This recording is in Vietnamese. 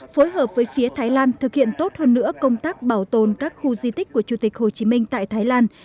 phối hợp với phía thái lan thực hiện tốt hơn nữa công tác bảo tồn các khu di tích của chủ tịch hồ chí minh tại thái lan